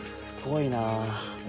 すごいなぁ。